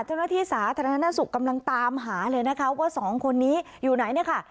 เจ้าหน้าที่สาธารณสุขกำลังตามหาเลยนะคะว่าสองคนนี้อยู่ไหนเนี่ยค่ะ